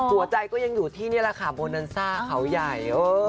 ก็ยังอยู่ที่นี่แหละค่ะโบนันซ่าเขาใหญ่